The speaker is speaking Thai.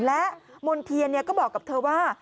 และมณ์เทียนก็บอกกับเธอว่า